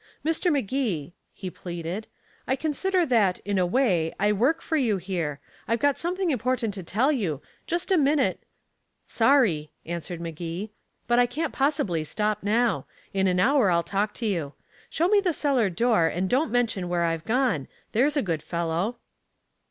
"Mr. Magee," he pleaded, "I consider that, in a way, I work for you here. I've got something important to tell you. Just a minute " "Sorry," answered Magee, "but I can't possibly stop now. In an hour I'll talk to you. Show me the cellar door, and don't mention where I've gone, there's a good fellow."